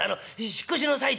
引っ越しの最中」。